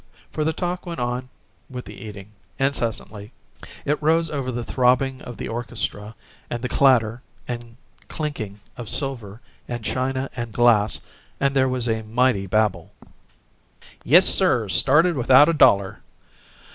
For the talk went on with the eating, incessantly. It rose over the throbbing of the orchestra and the clatter and clinking of silver and china and glass, and there was a mighty babble. "Yes, sir! Started without a dollar."...